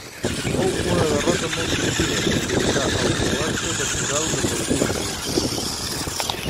Fou una derrota molt sentida, que provocà el col·lapse temporal de Northúmbria.